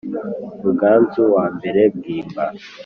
ruganzu wa mbere bwimba